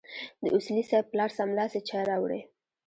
د اصولي صیب پلار سملاسي چای راوړې.